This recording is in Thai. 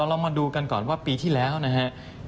เรามาดูกันก่อนว่าปีที่แล้วนะครับ